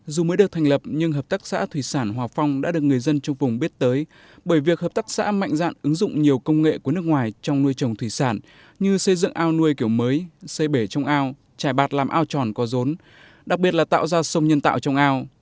dù mới được thành lập nhưng hợp tác xã thủy sản hòa phong đã được người dân trong vùng biết tới bởi việc hợp tác xã mạnh dạn ứng dụng nhiều công nghệ của nước ngoài trong nuôi trồng thủy sản như xây dựng ao nuôi kiểu mới xây bể trong ao trải bạt làm ao tròn có rốn đặc biệt là tạo ra sông nhân tạo trong ao